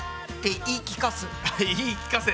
言い聞かせる。